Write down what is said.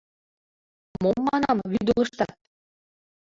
Мом, — манам, — вӱдылыштат?